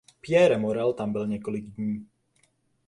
Pierre Morel tam byl několik dní.